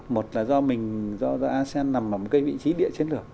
một là do mình do asean nằm ở một cái vị trí địa chiến lược